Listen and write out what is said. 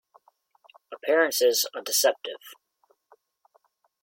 Appearances are deceptive.